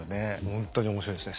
ほんとに面白いですね。